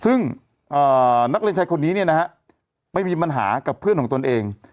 ซึ่งนักเรียนชายคนนี้เนี่ยนะฮะไปมีปัญหากับเพื่อนของตนเอง